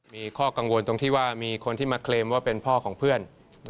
มีข้อกังวลตรงที่ว่ามีคนที่มาเคลมว่าเป็นพ่อของเพื่อน